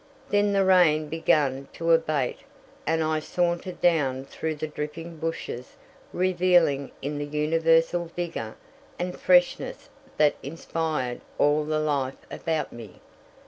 Then the rain began to abate and I sauntered down through the dripping bushes reveling in the universal vigor and freshness that inspired all the life about me.